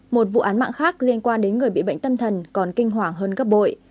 một vụ án mạng khác liên quan đến người bị bệnh tâm thần còn kinh hoàng hơn gấp bội